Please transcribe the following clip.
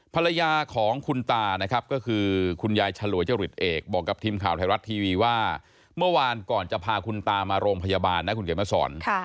ภรรยาของคุณตานะครับก็คือคุณยายฉลวยจริตเอกบอกกับทีมข่าวไทยรัฐทีวีว่าเมื่อวานก่อนจะพาคุณตามาโรงพยาบาลนะคุณเขียนมาสอน